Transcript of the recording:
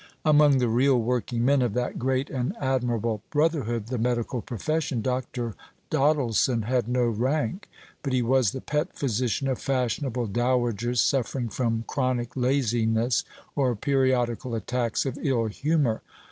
Among the real working men of that great and admirable brotherhood, the medical profession, Dr. Doddleson had no rank; but he was the pet physician of fashionable dowagers suffering from chronic laziness or periodical attacks of ill humour.